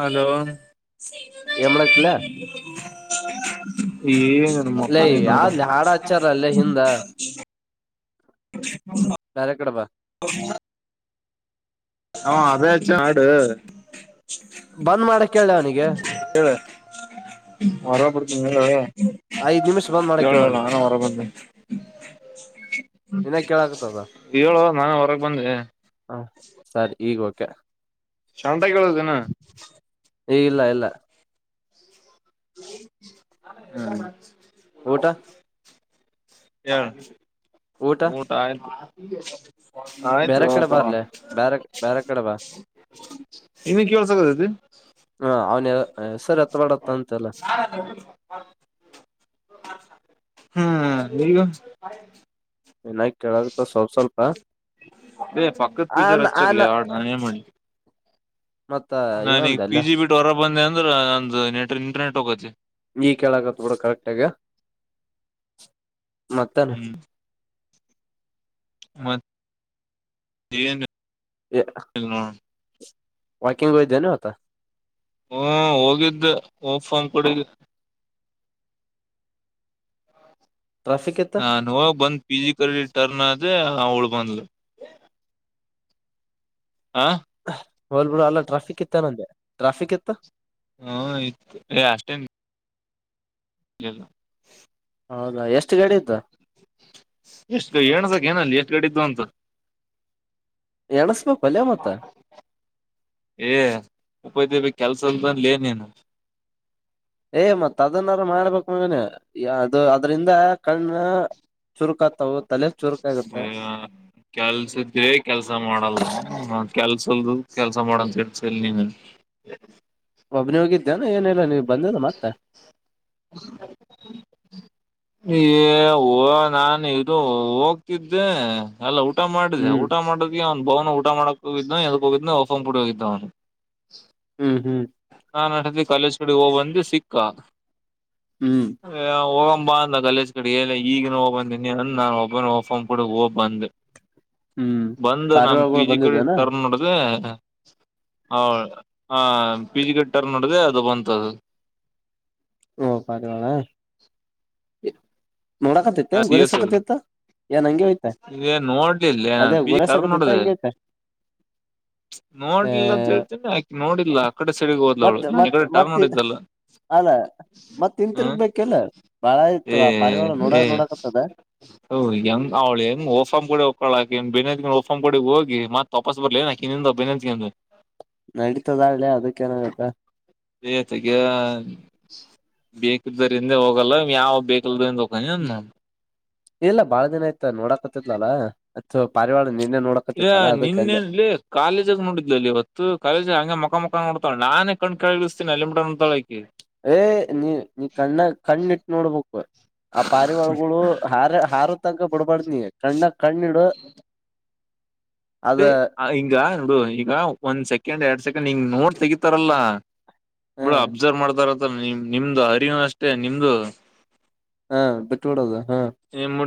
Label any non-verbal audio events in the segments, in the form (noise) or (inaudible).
Hello ಏನ್ ಮಾಡಕ್ತಿಲ ಏನನು ಮೊಕ್ಕ ಲೇ ನೀ ನೋಡು ಯಾವ್ದ್ ಹಾಡ ಹಚ್ಚಾರ ಅಲ್ಲೇ ಹಿಂದ ಬೇರೆ ಕಡೆ ಬಾ ಹ ಅದೇ ಹಚ್ಚ ಹಾಡ ಬಂದ್ ಮಾಡಕೆ ಹೇಳ್ಲ ಅವನಿಗೆ (unintelligible) ಐದ್ ನಿಮಿಷ ಬಂದ್ ಮಾಡ ಹೇಳು ಅವನಿಗೆ ನಾನು ಹೊರ ಬಂದೆ ಇನ್ ಕೇಳಕತದ ಹೇಳು ನಾನು ಹೊರಗ್ ಬಂದೆ ಹಾ ಸರಿ ಈಗೋಕೆ ಶಾಂತಾಗ್ ಹೇಳು ಅದೇನ ಏ ಇಲ್ಲ ಇಲ್ಲ ಹ ಊಟ (unintelligible) ಹೇಳ್ ಊಟ ಆಯ್ತು ಹೀಗೆ ಶಾಪ್ ಬೇರೆ ಕಡೆ ಬರ್ಲೆ ಬೇರೆ ಬೇರೆ ಕಡೆ ಬಾ ಇನ್ನು ಕೇಳಸಗತತಿ ಹ ಅವನ್ ಹೆಸರ್ ಎತ್ತವೆಡ್ (unintelligible) ಹ್ಮ್ ಈಗ ಏನ ಕೇಳಗತ್ತ ಸ್ವಲ್ಪ ಸ್ವಲ್ಪ ಹೇ ಪಕ್ಕದ್ ಪಿಜಿಯವರ್ ಆನ್ ಆನ್ ಹಚ್ಚಾರಲೇ ಹಾಡ ನಾನ್ ಏನ್ಮಾಡ್ಲಿ ಮತ್ತ ಇವಂದ ನಾನೀಗ್ ಪಿ ಅಲ್ಲ ಜಿ ಬಿಟ್ಟು ಹೊರ ಬಂದೆ ನಂದು ನೆಟ್ ಇಂಟರ್ನೆಟ್ ಹೋಗತಿ ಈ ಕೇಳಕತ್ ಬಿಡು ಕರೆಕ್ಟ್ ಆಗ ಮತ್ತನಾ ಮತ್ ಏನ್ ಏ ನೋಡ ವಾಕಿಂಗ್ ಒಯ್ದೆನ ಇವತಾ ಹ್ಮ ಹೋಗಿದ್ದೆ (unintelligible) ಟ್ರಾಫಿಕ್ ಇತ್ತ ಹಾ ನೋ ಬಂದ್ ಪಿ ಜಿ ಕ ಟರ್ನ್ (unintelligible) ಅವಳ ಬಂದ್ಲು ಹಾ ಹೋಲ್ ಬಿಿಡು ಅಲ್ಲ ಟ್ರಾಫಿಕ್ ಇತ್ತ ನಂದೆ ಟ್ರಾಫಿಕ್ ಇತ್ ಹ್ಮ ಇತ್ತು ಏ ಅಷ್ಟೇನ್ ಯಲ್ಲ. ಹೌದಾ ಎಷ್ಟು ಗಡಿದ್ದು ಎಷ್ಟು ಗ ಏಣಸಕ ಏನ ಅಲ್ಲಿ ಎಷ್ಟು ಗಡೆ ಇದ್ದು ಅಂತ ಎಣಸ್ಬೇಕು ಒಲೆ ಮತ್ತ (unintelligible) ಏ ಉಪಾಯತಿ ಕೆಲ್ಸದ ಬಂದು ಲ ನೀನು ಹ ಅದು ಅದ್ರಂದ ಕಣ್ಣ ಚುರುಕಾಗ್ತಾವ ತಲೆ ಚುರುಕಾಗತ್ತ ಕೆಲ್ಸ ಇದೆ ಕೆಲ್ಸ ಮಾಡಲ್ಲ ಕೆಲ್ಸ ಲ್ದು ಕೆಲಸ ಮಾಡಂತ ಹೇಳ್ತಲ್ಲ ನೀನ ಒಬ್ಬನಿ ಹೋಗಿದ್ದೇಾನ ಏನಲ್ಲ ನೀವು ಬಂದದ ಮತ್ತ ಓ ನಾಾನು ಇದು ಹೋಗ್ತಿದ್ದೆ ಅಲ್ಲ ಊಟ ಮಾಡಿದೆ ಹ್ಮ್ ಊಟ ಮಾಡದ ಅವನು ಬಾವನು ಊಟ ಮಾಡಕ್ ಹೋಗಿದ್ನೋ ಎಲ್ಗಾ ಹೋಗಿದ್ನ ಅವಾಗ ಫೋನ್ ಕೊಟ್ಟ ಹೋಗಿದ್ದ ಅವನು ಹ್ಮ್ ಹ್ಮ್ ನಾನ್ ಅಿ ಕಾಲೇಜ್ ಕಡೆ ಹೋಗ್ ಬಂದ ಇ ಸಿಕ್ಕಾ (unintelligible) ಹ್ಮ್ ಹೋಗೋಣ ತುಂಬಾ ಅಂದ ಕಲೇಜ್ ಕಡೆ ಈಗ ನ ಹೋಗ್ ಬಂದೀನಿ ಅಂದ ನಾನ್ ಒಬ್ಬ ಒಫೊಂಡ್ ಬಿಡ ಹೋಗ್ಬ ಬಂದ ಹ್ಮ್ ಬಂದ ನಮ ಪಾರಿವಾಳಗಳು ಪಿಜಿಕಲ್ ಬಂದಿದ್ದೇನಾ ಟರ್ನ್ ನೋಡ್ದೆ ಹೌ ಹ ಫಿಜಿಕಲ್ ಟರ್ನ್ನೋಡ್ದೆ ಅದು ಬಂತದು ಓ ಪರವಾಳಾ (inaudible) ಹ (unintelligible) ಏನ್ ಹಂಗೆ ಹೋಯ್ತ ನೋಡ್ಲಿಲ್ಲ ಅದೇ ಅಪ್ಪಿ ಟರ್ನ್ ಗುರಸಕತಿತ್ತ ಹೊಡೆದೆ. ಹಂಗೆ ಹೋಯ್ತ ನೋಡ್ಲಿಲ್ಲ ಅಂತ ಹೇಳ್ತೇನೆ ಆಕಿ ನೋಡಿಲ್ಲ ಆ ಕಡೆ ಸೈಡಿಗ್ ಹೋದ್ಲವಳು ಮತ್ ಮತ್ (unintelligible) ಟರ್ನ್ ಮತ್ ಹೊಡಿದ್ಲಲ್ಲ. ಅಲ್ಲ ಮತ್ ಇಂತಿರುಗ್ಬೇಕಲ್ಲ ಬಾಳ ಇಯ್ತ್ತು ಆ ಪಾರಿವವಾಳ ನೋಡ ನೋಡ. ಹ ಹೆಂಗ್ ಅವಳ ಹೆಂಗ್ ಓಫ್ ಕೂಡ ಒಕ್ಕಳ ಆಕೆಯಿಂದ ಬೆನ್ನತ್ಕೊಂಡ್ ಓಪನ್ ಬೋರ್ಡ್ ಗೆ ಮತ್ತು ವಾಪಸ್ ಬರ್ಲೇ ಆಕಿನಂದು ಬೆನ್ನ ತಗೊಂಡು ನಡೀತದ ಹಳ್ಳೆ ಅದಕ್ಕೇನಾಗತ್ತ ಹೇ ಆ ತಗೆ ಬೇಕಿದ್ದರಿಂದ ಹೋಗಲ್ಲ ಯಾವ ಬೇಕಲ್ದರದ (unintelligible) ಇಲ್ಲ ಬಾಳ ದಿನ ಆಯ್ತ ನೋಡಾಕತಿದಲ ಅಲ್ಲಾ ತು ಅ ಪಾರಿವಳ ಇಲ್ಲ ನಿನ್ನೇನ್ಲ್ಲಿ ಕಾಲೇಜಾಗ ನೋಡಿದ್ಲ್ಲಿ ಇವತ್ತು ಕಾಲೇಜ ಹಂಗೆ ಮಕ್ಕ ಮಕ್ಕ ಮುಖ ನೋಡ್ತಾಳ ನಾನೇ ಕಣ್ಣ ಕೆಳಗ ಇಳಸತಿನಿ ಅಲ್ಲಿ ಮಟ ನೋಡ್ತಾಳ ಅಕ್ಕಿ ಏ ನೀ ನೀ ಕಣ್ಣ ಕಣ್ಣ ಇಟ್ಟ ನೋಡ್ಬೇಕು ಆ ಪಾರಿವಳಗಳು ಹಾರ ಹಾರು ತನಕ ಬಿಡ್ಬಡ್ದ ನೀ ಕಂಡಕ್ ಕಣ್ಣಿಡು ಅದ ಅ ಹಂಗ ನೋಡು ಈಗ ಒಂದ್ ಸೆಕೆ ಸಿಕಂಡ್ ಎರಡ್ ಸೆಕೆಂಡ್ ಹಂಗ ನೋಡ್ ತಗಿತರಲ್ಲ ಹ ಬಿಡು ಅಬ್ಸರ್ವ್ ಮಾಡ್ತಾರ. ನಿಮ್ ನಿಮ್ದು ಹರಿವನು ಅಷ್ಟೇ ನಿಮ್ದು ಹಾ ಬಿಟ್ಟ ಬಿಡದ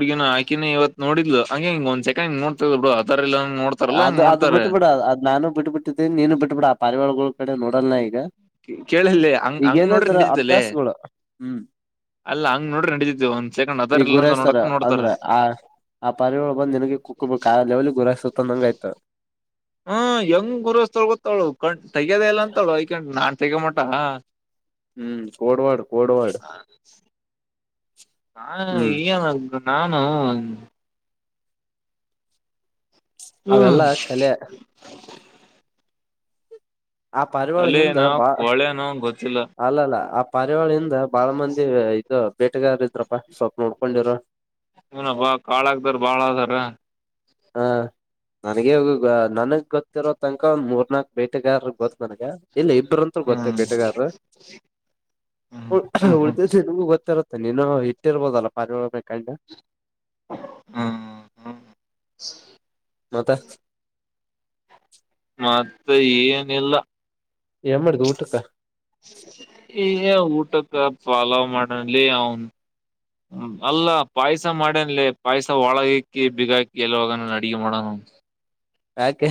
ಹುಗಿನ ಹಾಕಿನೇ ಇವ ನೋಿದ್ಲು ಹಂಗ ಒಂದ್ೆಕಂಡ್ ನೋತದ ಬಿಡು. ಅದರ್ ಇಲ್ಲ ನೋಡ್ತಾರಲ್ಲ ಹಂಗ್ ಅದು ಅದು ನೋಡ್ತಾರೆ ಬಿಟ್ಬಿಡ ಅದ್ ನಾನು ಬಿಟ್ಟಬ ಬಿಟ್ಟಿದ್ದೀಿ ನೀನು ಬಿಟ್ಬಿಡ ಆ ಪರಿವಳಗಳು ಈ ಕಡೆ ನೋಡೋಲ್ನ ಈಗ ಕೇಳಿಲ್ಲಿ ಹಂಗ್ ಹಂಗ್ ನೋಡ್ರಿ ಈಗೇನಿದ್ರ ನಡೀತಲ್ಲಿ ಅಭ್ಯಾಸಗಳು ಹ್ಮ್ ಅಲ್ಲ ಹಂಗ್ ನೋಡ್ರಿ ನಡೀತಿ ಒಂದ್ ಸೆಕೆಂಡ್ ಈಗ ಅದರ್ ಇಲ್ಲ ಅಂತ ಗುರೈಸ್ತಾರೆ ನೋಡಕ ನೋಡ್ತಾರ ಅಂದ್ರೆ ಆ ಆ ಪರಿಗಳು ಬಂದು ನಿನಗೆ ಕುಕ್ಕೊಬೇಕ ಆ ಲೆವೆಲ್ ಗುರಾಯಸ್. ತ್ತಂದಂಗ ಆಯ್ತ ಹಾ ಹೆಂಗ್ ಗುರಸ್ತವಳ ಗೊತ್ತಾಳು ಕಣ ತಗದೇಲ್ಲ ಅಂತಳುಯಕೊಂಡ ನಾು ತಗ ಮಟಾ ಹ್ಮ್ ಕೊಡವಾಡ ಕೊಡವಾಡ ನಾ ಹ್ಮ್ ಏನ ನಾನು. ಹ್ಮ್ ಅವೆಲ್ಲ ಕಲೆ ಆ ಪರಿವಾಳ ಹಿಂದ ತಲೆನೋ ಬಾ ಕೊಳೆನೋ ಗೊತ್ತಿಲ್ಲ ಅಲ್ಲಲ್ಲ ಆ ಕರ್ಯಾವಳಿಯಿಂದ ಬಾಳ ಮಂದಿ ಇ ಬೇಟೆಗಾರ ಇದ್ರಪ್ಪಾ ಸ್ವಲ್ಪ ನೋಡ್ಕೊಂಡಿರ ನ ಕಾಳಾಗದಾರ ಬಾಳ ಅದಾರ ಹ ನನಗ ನನಗ್ ಗೊತ್ತಿರೋ ತನಕ ಒಂದ್ ಮೂರ್ನಾಾಕ್ ಬೇಟೆಗಾರಗ್ ಗೊತ್ ನನ್ಗ ಇಲ್ಲ ಇಬರುಂತ ಗೊತ್ತೇ ಹ್ಮ್ ಬೇಟೆಗಾರರು ಹ್ಮ್ ಉ ಹ್ಮ್ ಹ್ಮ್ ಗೊತ್ತರತ್ತ ತ್ ಇನ್ನು ಹಿಟ್ಟಿರ್ಬೋದಲಪ್ಪ ಪಾರಳ ಕಂಡ. ಹ್ಮ ಹ್ಮ ಮತ್ತ (inaudible) ಮತ್ತೆ ಏನಿಲ್ಲ ಏನ್ ಮಾಡಿದ್ ಊಟಕ್ಕ (unintelligible) ಊಟ ಫಾಲೋ ಮಾಡನ್ಲಿ ಅವನ್ ಅಲ್ಲ ಪಾಯ್ಸ ಮಾಡನ್ಲಿ ಪಾಯ್ಸ ಒಳಗಕಿ ಬಿಗಾಕಿ ಎಲ್ಲಾಗ ನ ಅಡಗೆ ಮಾಡಣ ಯಾಕೆ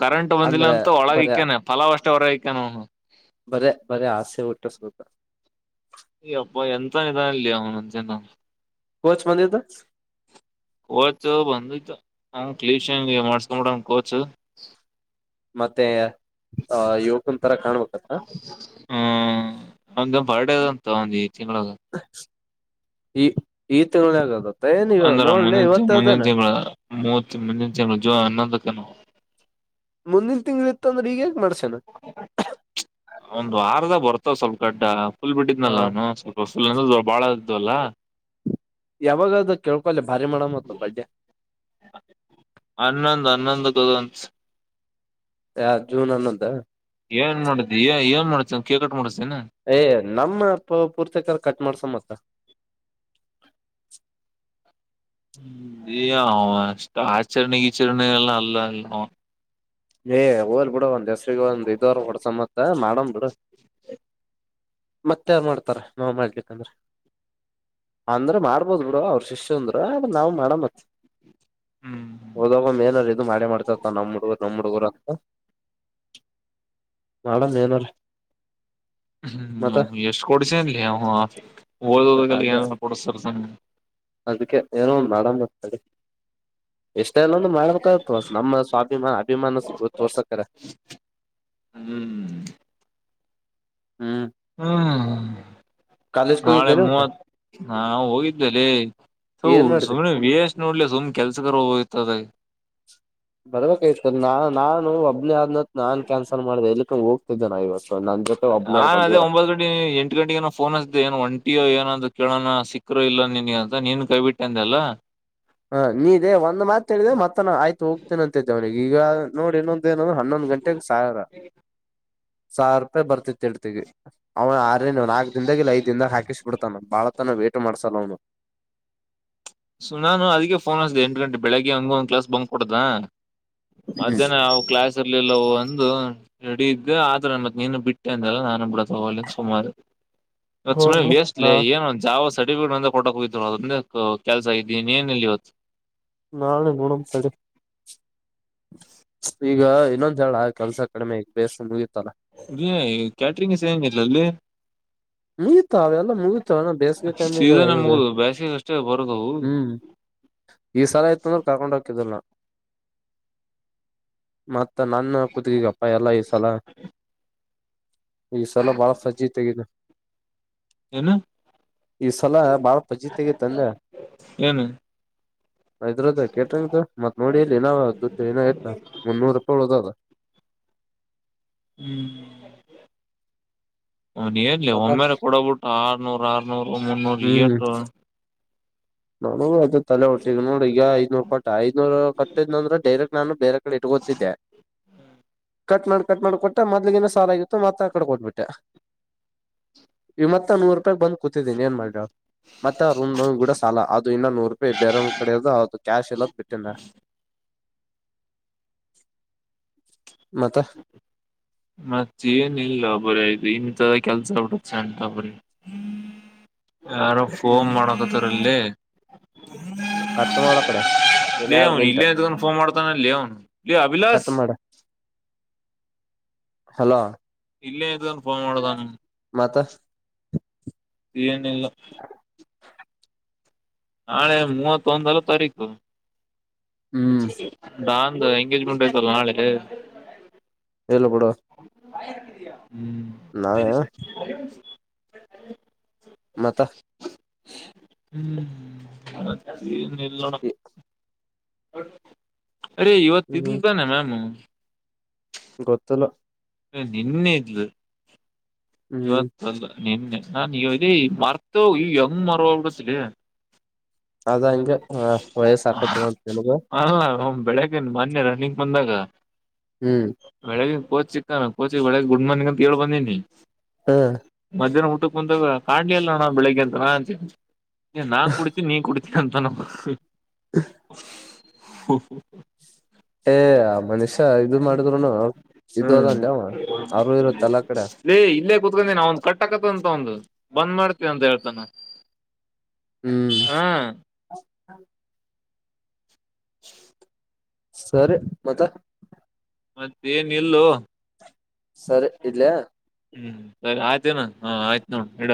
ಕರೆಂಟ್ ಬಂದಿಲ್ಲ ಅಂದ್ರೆ ಅಂತ ಒಳಗ ಬರೇ ಇಕ್ಕಾನನೆ ಫಲಾವ್ ಅಷ್ಟೇ ಹೊರಗಕ್ಕಾನ ಅವ್ನು. ಬರೇ ಬರೇ ಆಸೆ ಹುಟ್ಟಿಸ್ಬೇಕ ಅಯ ಅಪ್ಪ ಎಂತ ನಿಧಾನ ಇಲ್ಲಿ ಅವನುಂಚೆ ನ ಕೋಚ್ ಬಂದಿದ್ದು ಹೋಯಿತು ಬಂದಿತು. ಅವ್ ಕ್ಲೀನ್ ಸೇವಿಂಗ್ ಮಾಡಿಸ್ಕೊಂಡು ಬಿಟಾನಾ ಕೋಚ್ ಮತ್ತೆ. ಆ ಯುವಕನ್ ತರ ಕಾಣ್ಬೇಕತ್ತ ಅವಂದು ಬರ್ಡೆ ಆದ್ ಅಂತ ತಿಂಗಳಾಗ ಈ ಈ ತಿಂಗಳ್ ನ್ಯಾಗ ಆದ ಅಂದರ ಮುಂದಿನ್ ಮುಂದಿನ ಮೂತ್ ಮುಂದಿನ್ ತಿಂಗಳ ಜೂನ್ ಹನೊಂದಕೇನ ಮುಂದಿನ ತಿಂ್ಗಳ ಇತ್ತು ಅಂದ್ರೆ ಈಗಗೆ ಮಾಡ್ಸ ಒಂದ್ ವಾರ್ದಾಗ ಬರ್ತ ಸ್ವಲ್ಪ ಕಡ್ಡಾ ಫುಲ್ ಹ ಬಿಟ್ಟಿದ್ನಲ್ಲ ಅವನು ಸ್ವಲ್ಪ ಪುಲ್ ಅಂದ್ರ ಭಾಳ ಇದ್ದು ಅಲ್ಲ ಯಾವಾಗ ಅದು ಕೇಳ್ಕೊಲೆ ಭಾರಿ ಮಾಡಮ್ಮತ್ತ ಬಡ್ಡೆ ಹನ್ನೊಂದ್ (unintelligible) ಯ ಜೂನ್ ಹನ್ನೊಂದ ಏನ್ ಮಾಡುದ್ದಿ ಏನ್ ಏನ್ ಮಾಡ್ಸತ ಕೇಕ್ ಕಟ್ ಮಾಡಿಸ್. ಏ ನಮ್ಮ ಪ ಪೂರ್ತಕ ಕಟ್ ಮಾಡ್ಸ ಮತ್ತ (inaudible) ಹ್ಮ ಏ ಅಷ್ಟ ಆಚರಣೆ ಗೀಚರಣೆಗೆ ಅಲ್ಲ ಅಲ್ಲವ ಏ ಹೋಲ್ ಬೂಡು ಒಂದ್. ಗೆ ಒಂದ್ ಇದು ಅರ ಹೊಡ್ಸಾಮಂತ ಮಾಡಂ ಬಿಡು ಮತ್ತೆ ಯಾರ್ ಮಾಡ್ತಾರ ನಾವ್ ಮಾಡ್ಲಿಕ್ಕಂದ್ರ ಅಂದ್ರ ಮಾಡ್ಬೋದ್ ಬಿಡ ಅವ್ರ ಶಿಷ್ಯಂದ್ರ ಆದ್ರೂ ನಾವು ಮಾಡ ಮತ್ತ ಹ್ಮ್ ಹೋದಾಗ್ ಒಮ್ಮೆ ಏನರ ಇದು ಮಾಡೆ ಮಾಡ್ತೀರ್ತಾನ ನಮ್ಮ್ ಹುಡುಗ್ರು. ನಮ್ ಹುಡ್ಗೂರು ಅಂತ ಮಾಡಂ ಏನಾರೆ ಹ್ಮ್ ಎಷ್ಟ್ ಕೊಡ್ಸಿಯಾನ ಲೆ ಅವ ಓದೋದೋಗೆಲ್ಲ ಅದ ಏನನ ಕೊಡಿಸ್ತಿರುತ್ತಾನ ಅದಕ್ಕೆ ಏನೋ ಮಾಡಮತಡಿ ಎಷ್ಟು ಮ ಎಲ್ಲೊಂದು ಮಾಡಬೇಕಾಗ್ ನಮ್ಮ ಸ್ವಾಭಿಮಾನ (unintelligible) ಹ್ಮ್ ಹ್ಮ ಹ್ಮ್ ಕಾಲೇಜ್ಗೆ ನಾಳೆ ಹೋಗಿದ್ದೇನೆ ಮತ್ತ ಮೂವತ್ ನಾವು ಹೋಗಿದ್ದೇಲ್ಲಿ ಏನ್ ಮಾಡಿದೆ ಸುಮ್ನೆ ವಷ್ಟ್ ನೋಡ್ಲಿ ಸುಮ್ನೆ ಕೆಲ್ಸಕರು ಹೋಗ್ತದೆ ಬರ್ಬೇಕಾಯತ ನಾ ನಾನು ಒಬ್ನೇ ಆದ್ನತ್ ನಾನ್ ಕ್ಯಾನ್ಸಲ್ ಮಾಡ್ದ ಇಲ್ಲಿ ಹೋಗ್ತದೆ ನಾನ್ ಅದೇ ಒಂಬತ್ತು ಗಂಟೆ ಎಂಟು ಗಂಟೆಗೆಗಏನ ಫೋನ್ ಹಸ್ದೆ ಏನ್ ಒಂಟಿಯೋ ಏನಂದ ಕೇಳೋಣ ಸಿಕ್ಕರು ಇಲ್ಲ ನಿನ್ಗ ಅಂತ ನೀನ್ ಕೈ ಬಿಿಟ್ಟಂದೆ ಅಲ್ಲ ಹಾ ನೀ ಇದೇ ಒಂದ ಮಾತತ್ ಹೇಳಿದಿದೆ ಮತ್ತ ಆಯ್ತು ಹೋಗ್ತೇನೆ ಅಂತ ಇದ್ದೆ ಅವನಿಗೆ ಈಗ ನೋಡಿೊ ೇನ ಹನ್ನೊಂದು ಗಂಟೆಗೆ ಸಾವಿರ ಸಾವಿರ ರೂಪಾಯಿ ಬರ್ತಿತಿ ಇಳ್ತಿಗೆ ಅವನ ಆ ನಾಕ್ ದಾಗ ಇಲ್ಲ ಐದ ದನ್ದಾಗ ಹಾಕಿಸ್ ಬಿಡ್ತಾನ ಬಾಳತನ ವೇಟ್ ಮಾಡಸಲ್ ಅವ್ನು ಸು ನಾನ ಅದ ೋನ್ ಹಸಿದೆೆ ಎಂಟ ಗಂಟೆ ಬೆಳಗ್ಗೆ ಹಂಗ ಒಂದ್ಲಾ ಬ್ ಕೊಡ್ದ ಮಧ್ಯಾಹ್ನ ಯಾವು ಕ್ಲಾಸ್ ಲ್ಲ ಒಂದು ರೆಡಿ ಇದ್ದೆ ಆದ್ರನ್ ಮತ್ ನೀನು ಬಿಟ್ಟೆ ಅಂದಲ್ಲ ನಾನು ಬಿಡತ್ಲ್ಲಿ ಸುಮಾರು ಹೋಗ್ (unintelligible) ಬಿಡು ವೇಸ್ಟ್ ಲೆ ನಾ ಏನ ಒಂದ ಜಾವ ಸರ್ಟಿಫಿಕೇಟ್ ಒಂದ ಕೊಟ್ಟಕ ಹೋಗಿದ್ವಿ ನಾವು ಅದ ಒಂದೇ ಕೆಲ್ಸ ಇದ್ದೀನ್ ಏನಲ್ಲಿ ಇತ್ತು ನಳು ಗುಣಂ ಸದು ಈಗ ಇನ್ನೊಂದ ಹೇಳ ಕೆಲ್ಸ ಕಡಿಮೆ ಬೇ ನಗತ್ತಲ್ಲ ನೀ ಕ್ಯಾಟ್ರಂಗ್ಸ ಹೆಂಗಲ್ಲ ಅಲ್ಲಿ ಮುಗತ ಅವೆಲ್ಲ ಮುಗಿತವ ನ ಬೇಸಿಗೆತಗ ಸೀಸನ್ ಮುಗುದು ಬೇಸಿಗೆ ಅಷ್ಟೇ ಬರೋದವು ಹ್ಮ್ ಈ ಸಲ ಇಯತ ಅಂದ್ರೆ ಕರ್ಕೊಂಡ್ ಹಕಿದಲ್ಲ ಮತ್ತ ಮತ್ತ ನನ್ನ ಕತ್ಕಗಪ್ಪಾ ಎಲ್ಲ ಈ ಸಲ ಈ ಸಲ ಬಾಳ ಸಜ್ಜಿತೆ ಆಗಿದೆ ಏನು ಈ ಸಲ ಬಾಳ ಪಚಿತಿಗಿ ತಂದೆ ಏನು ಇದ್ರದ್ದ ಕೇಟ್ರಂಗ ಮತ್ ನೋಡಿ ಇಲ್ಲಿ ಇನ ದುಡ್ಡು ನ ಆಯ್ತ ಮುನ್ನೂರು ರೂಪಾಯಿ ಉಳದದ ಹ್ಮ್ (unintelligible) ಮತ್ತ ನೂರ ಆರನೂರ ಹ್ಮ್ (unintelligible) ನನಗೂ ಅದೇ ತಲೆ ಹೊಟ್ಟ ನೋಡ, ಈಗ ಐದನೂರು ಕೊಟ್ಟ, ಐದನೂರ್ ಕೊಟ್ಟಿದ್ದ್ಂದ್ರೆ ಡೈರೆಕ್ಟ್ ನಾನು ಬೇರೆ ಕಡೆ ಇಟ್ಕೋತಿದ್ದೆ. ಕಟ್ ಮಾಡ್, ಕಟ್ ಮಾಡ್ ಕೊಟ್ಟ ಮೊದ್ಲಿಗೀನ ಸಾಲ ಆಗಿತ್ತು ಮತ್ತ ಆ ಕಡೆ ಕೊಟ್ಬಿಟ್ಟೆ. ಇ ಮತ್ತ ನೂರು ರೂಪಾಯಕ್ ಬಂದ ಕೂತಿದ್ದೀನಿ ಏನ್ ಮಾಡ್ಲ ಹೇಳ್? ಮತ್ ಆ ರೂಮ್ ದವನ ಗುಡ ಸುಮ ಅಲಾ ಅದು ಇನ್ನ ನೂರು ರೂಪಾಯಿ ಬೇರೆ ಅವ್ನ್ ಕಡೆ ಇದ, ಅದು ಕ್ಯಾಶ್ ಇಲ್ಲದ ಕಟ್ಟನ ನಾ. ಮತ? ಮತ್ತೆ ಏನಲ್ಲ ಬರಿಯ್ ಇಂಥರ ಕೆಲ್ಸ (unintelligible) ಅಂತ ಬರ. ಯಾರೋ ಫೋನ್ ಹ್ಮ್ ಮಾಡಕತ್ತಾರ. ಲೇ ಕಟ್ ಮಾಡ ಆ ಕಡೆ ಇನ್ ಲೇ ಎರಡ್ ಅವ್ನು ಇಲ್ಲ ಮಿನಿಟ್ ಇದ್ಕಂಡ್ ಫೋನ್ ಮಾಡ್ತಾನಲ್ಲೆ ಅವ್ನು, ಲೆ ಅಭಿಲಾಸ್. ಕಟ್ ಮಾಡ ಹಲೋ ಇಲ್ಲೇ ಇದಾನ ಫೋನ್ ಮಾಡುದಾನ. ಮತ್ತ ಏನಿಲ್ಲ. ನಾಳೆ ಮೂವತ್ತೊಂದಲ ತಾರೀಕು? ಹ್ಮ್ (unintelligible) (unintelligible) ಎಂಗೇಜ್ಮೆಂಟ್ ಐತಲ್ಲಾ ನಾಳೆ. ಹೇಳಲ್ಲ ಬಿಡ. ಬಾಯರ್ಕಿದಿಯಾ? ಹ್ಮ್. (inaudible) (inaudible) ಮತ್ತ ಹ್ಮ್ (unintelligible) ಇಲ್ಲೋಡ (unintelligible) ಅರೇ ಇವತ್ತು ಇದ್ಲು ತಾನೆ ಮ್ಯಾಮು? ಗೊತಿಲ್ಲ. (inaudible) ನಿನ್ನೆ ಇದ್ಲು. ಹ್ಮ್ ಇವತ್ ಬಂದೆ. ನಿನ್ನೆ, ನಾ ನೀ ಇದ ಮರ್ತು ಈ ಹೆಂಗ್ ಮರವಾಬಿಡ್ತಾಲೆ. ಅದ ಹಂಗೆ, ವಯಸ ಆಕತ್ (inaudible) ಅಲ್ಲ ಅವ್ನ್ ಬೆಳಗ್ಗೆ ಮೊನ್ನೆ ರನ್ನಿಂಗ್ ಬಂದಾಗ ಹ್ಮ್ ಬೆಳಿಗಿಗ್ ಕೋಚ್ ಸಿಕ್ತಾನಾ, ಕೋಚಿಕ್ ಒಳಗೆ ಗುಡ್ ಮಾರ್ನಿಂಗ್ ಅಂತ್ ಹೆಳ್ ಬಂದೀನಿ. ಹ್ಮ್ ಮಧ್ಯಾಹ್ನ ಉ ಕ್ ಮುಂದಾಗ ಕಾಣಲಿಲ್ಲೋಣ ಬೆಳಗ್ಗೆ ಅಂತ ಅಂತಿ ನಾ ಕುಡಿತೀನಿ ನಿ ಕುಡಿ ಎಂಥವನಪ್ಪ (unintelligible) ಹ್ಮ ಹ ಹ. ಹೇ ಆ ಮನುಷ್ಯ ಇದು ಮಾಡಿದ್ರುನು ಇದು ಹ್ಮ್ ಅದಾನ್ಲೇ ಅವ್ನು ಅವರು ಇರುತ್ತ ಎಲ್ಲಾ ಕಡೆ ಲೇ ಇಲ್ಲೇ ಕುತ್ಕೊಂಡೀನಿ ಅವ್ನ್ ಕಡೆ. ಕಟ್ಟಕತ್ತಂತ ಒಂದು (inaudible) ಬಂದ್ ಮಾಡ್ತೀವಿ ಅಂತ ಹೇಳ್ತಾನ. ಹ್ಮ್ (inaudible) ಹಾ (inaudible) ಸರಿ ಮತ್ತ ಮತ್ ಏನ್ ಇಲ್ಲೋ. ಸರಿ ಇಡ್ಲಿಯಾ. ಹ್ಮ್ ಸರಿ ಆಯ್ತೇನಾ ಹಾ ಆಯ್ತು ನೋ ಇಡ